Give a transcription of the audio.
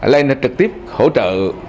lên trực tiếp hỗ trợ